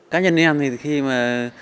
các nhân em thì khi mà